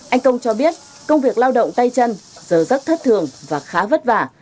anh công cho biết công việc lao động tay chân giờ rất thất thường và khá vất vả